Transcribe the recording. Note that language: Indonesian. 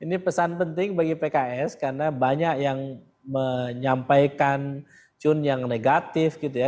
ini pesan penting bagi pks karena banyak yang menyampaikan cun yang negatif gitu ya